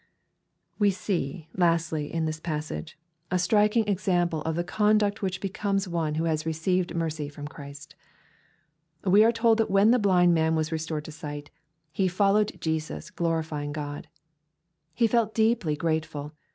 We see, lastly, in this passage, a striking eaximple of LUKE, CHAP. XVIII. 287 (he conduct which becomes one who has received mercy from Christ, We are told that when the blind man was restored to sight, " he followed Jesus, glorifying God/' He felt deeply grateful.